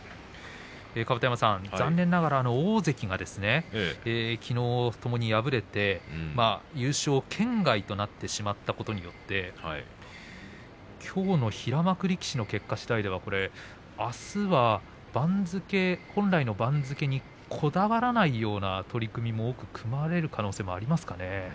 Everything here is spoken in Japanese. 甲山さん、残念ながら大関がきのうともに敗れて優勝圏外となってしまったことによって、きょうの平幕力士の結果しだいではあすは本来の番付にこだわらないような取組も組まれる可能性がありますか？